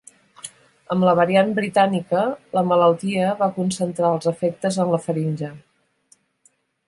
Amb la variant britànica, la malaltia va concentrar els efectes en la faringe.